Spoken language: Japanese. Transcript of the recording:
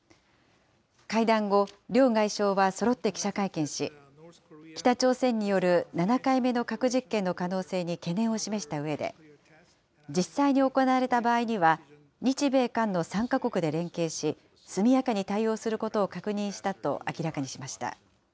会談後、両外相はそろって記者会見し、北朝鮮による７回目の核実験の可能性に懸念を示したうえで、実際に行われた場合には、日米韓の３か国で連携し、速やかに対応することを確認したと明らかにしました。